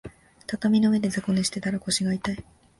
畳の上で雑魚寝してたら腰が痛い